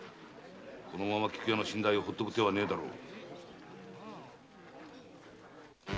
このまま菊屋の身代を放っとく手はねえだろう。